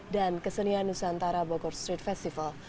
dan kesenian nusantara bogor street festival